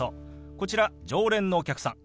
こちら常連のお客さん。